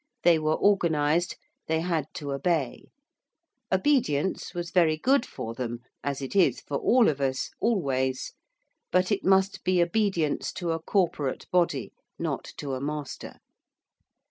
They were organised: they had to obey: obedience was very good for them as it is for all of us, always; but it must be obedience to a corporate body, not to a master.